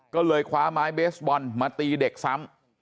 ก็เลยคว้าไม้เบสบอลมาตีเด็กซ้ำ